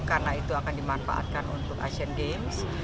karena itu akan dimanfaatkan untuk asian games